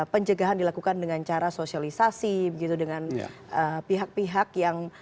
pencegahan dilakukan dengan cara sosialisasi dengan pihak pihak yang